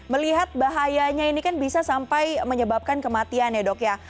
melihat bahayanya ini kan bisa sampai menyebabkan kematian ya dok ya